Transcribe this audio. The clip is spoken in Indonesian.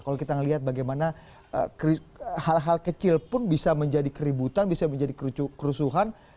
kalau kita melihat bagaimana hal hal kecil pun bisa menjadi keributan bisa menjadi kerusuhan